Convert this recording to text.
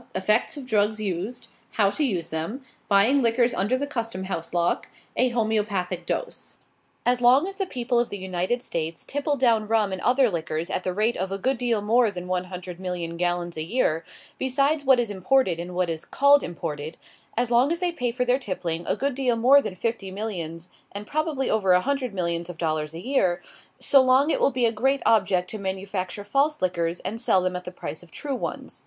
EFFECTS OF DRUGS USED. HOW TO USE THEM. BUYING LIQUORS UNDER THE CUSTOM HOUSE LOCK. A HOMOEOPATHIC DOSE. As long as the people of the United States tipple down rum and other liquors at the rate of a good deal more than one hundred million gallons a year, besides what is imported and what is called imported as long as they pay for their tippling a good deal more than fifty millions, and probably over a hundred millions of dollars a year so long it will be a great object to manufacture false liquors, and sell them at the price of true ones.